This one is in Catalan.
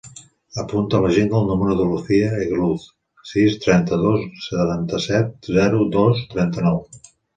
Apunta a l'agenda el número de la Lucía Eguiluz: sis, trenta-nou, setanta-set, zero, dos, trenta-nou.